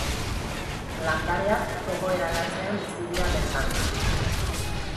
Landareak egoera latzean bizi dira bertan.